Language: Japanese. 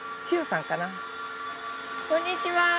こんにちは。